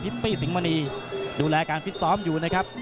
ปี้สิงหมณีดูแลการฟิตซ้อมอยู่นะครับ